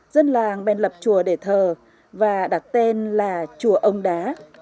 dân làng bên lập chùa để thờ và đặt tên là chùa ông đá